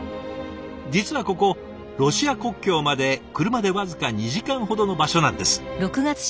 実はここロシア国境まで車で僅か２時間ほどの場所なんです。